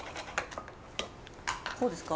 こうですか？